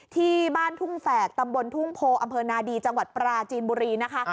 ที่บ้านทุ่งแฝกตำบลทุ่งโพอำเภอนาดีจังหวัดปราจีนบุรีนะคะ